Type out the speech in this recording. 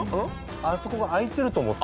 あそこが開いてると思った。